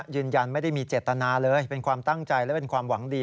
ยืนยันไม่ได้มีเจตนาเลยเป็นความตั้งใจและเป็นความหวังดี